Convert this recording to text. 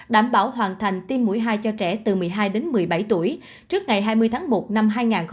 đảm bảo hoàn thành tiêm mũi hai cho trẻ từ một mươi hai đến một mươi bảy tuổi trước ngày hai mươi tháng một năm hai nghìn hai mươi